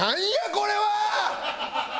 これは！